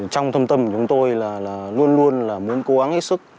trong thâm tâm của chúng tôi là luôn luôn là muốn cố gắng hết sức